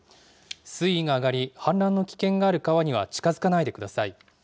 水位が上がり、氾濫の危険がある川には近づかないでください。